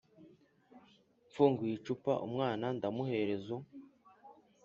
mfunguye icupa umwana ndamuherezo